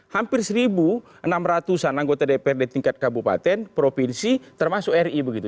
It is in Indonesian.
hampir satu enam ratus an anggota dprd tingkat kabupaten provinsi termasuk ri begitu